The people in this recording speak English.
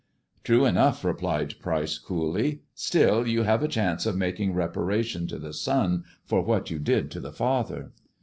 "True enough/' replied Pryce coolly; "still, you have a chance of making reparation to the son for what you did to the father."